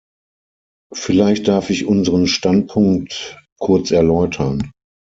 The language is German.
Vielleicht darf ich unseren Standpunkt kurz erläutern.